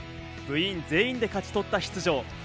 部員全員で勝ち取った出場。